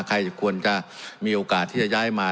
ใครควรจะมีโอกาสที่จะย้ายมา